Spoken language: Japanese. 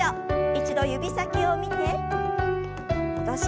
一度指先を見て戻します。